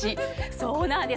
そうなんです。